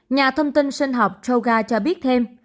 nhà thông tin sinh học chogar cho biết thêm